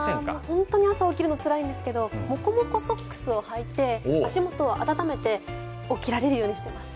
本当に朝、起きるのつらいんですけどもこもこソックスをはいて足元を温めて起きられるようにしています。